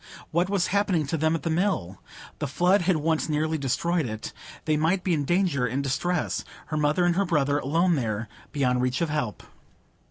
What was happening to them at the Mill? The flood had once nearly destroyed it. They might be in danger, in distress,—her mother and her brother, alone there, beyond reach of help!